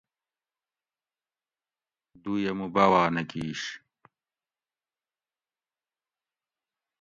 دُویہ مُو باواۤ نہ کِیش